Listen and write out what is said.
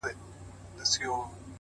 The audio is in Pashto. بيا يوازيتوب دی بيا هغه راغلې نه ده~